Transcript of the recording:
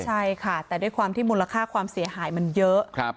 ใช่ค่ะแต่ด้วยความที่มูลค่าความเสียหายมันเยอะ